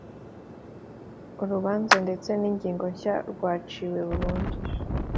urubanza ndetse n’ingingo nshya rwaciwe burundu.